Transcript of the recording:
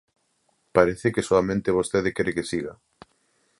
Parece que soamente vostede quere que siga.